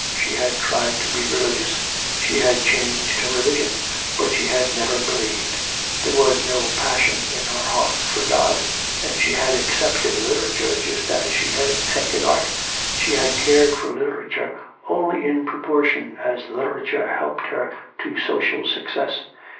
She had tried to be religious; she had changed her religion. But she had never believed. There was no passion in her heart for God, and she had accepted literature just as she had accepted art. She had cared for literature only in proportion as literature helped her to social success.